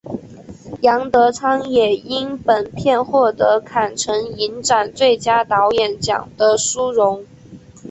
杨德昌也因本片获得坎城影展最佳导演奖的殊荣。